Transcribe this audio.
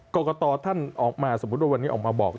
กรกตท่านออกมาสมมุติว่าวันนี้ออกมาบอก